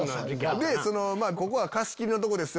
ここは貸し切りのとこですよ！